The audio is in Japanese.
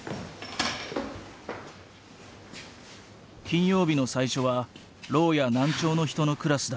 金曜日の最初はろうや難聴の人のクラスだ。